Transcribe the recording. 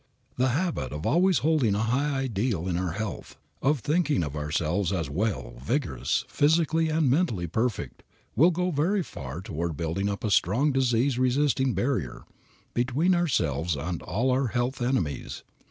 The habit of always holding a high ideal of our health, of thinking of ourselves as well, vigorous, physically and mentally perfect, will go very far toward building up a strong disease resisting barrier between ourselves and all our health enemies.